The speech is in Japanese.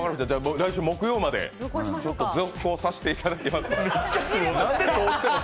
来週木曜まで続行させていただきます。